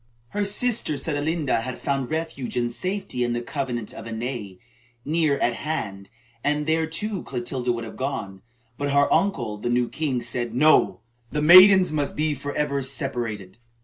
Her sister, Sedelenda, had found refuge and safety in the convent of Ainay, near at hand, and there, too, Clotilda would have gone, but her uncle, the new king, said: "No, the maidens must be forever separated."